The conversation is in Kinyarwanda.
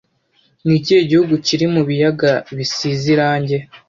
Ni ikihe gihugu kiri mu biyaga bisize irangi